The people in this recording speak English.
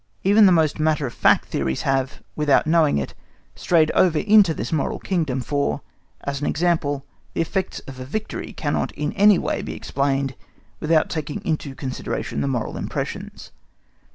Even the most matter of fact theories have, without knowing it, strayed over into this moral kingdom; for, as an example, the effects of a victory cannot in any way be explained without taking into consideration the moral impressions.